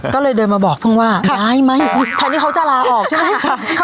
ก็เลยเดินมาบอกเพิ่งว่าย้ายไหมแทนที่เขาจะลาออกใช่ไหม